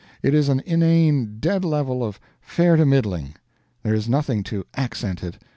It is an inane dead level of "fair to middling." There is nothing to ACCENT it.